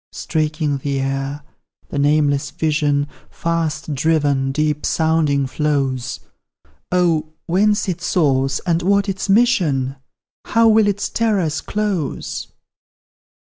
Streaking the air, the nameless vision, Fast driven, deep sounding, flows; Oh! whence its source, and what its mission? How will its terrors close?